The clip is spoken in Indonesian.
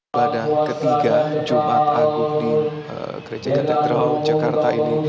ibadah ketiga jumat agung di gereja katedral jakarta ini